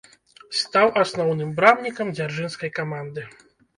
Стаў асноўным брамнікам дзяржынскай каманды.